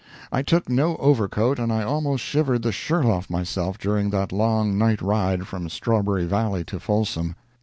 I took no overcoat and I almost shivered the shirt off myself during that long night ride from Strawberry Valley to Folsom.